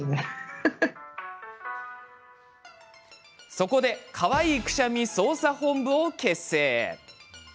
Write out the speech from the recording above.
そこでかわいいくしゃみ捜査本部を結成。